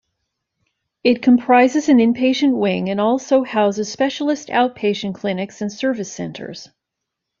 It comprises an inpatient wing and also houses specialist outpatient clinics and service centres.